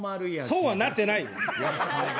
そうはなってないよ！